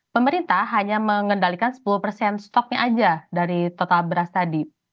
pemerintah hanya mengendalikan sepuluh persen stoknya aja dari total beras tadi